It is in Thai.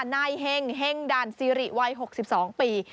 นายเฮ้งเห็งดานซิริวัย๖๒ปี